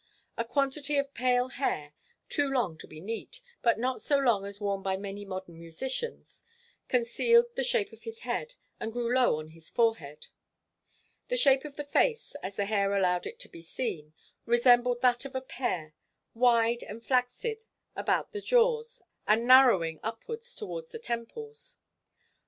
A quantity of pale hair, too long to be neat, but not so long as worn by many modern musicians, concealed the shape of his head and grew low on his forehead. The shape of the face, as the hair allowed it to be seen, resembled that of a pear, wide and flaccid about the jaws and narrowing upwards towards the temples.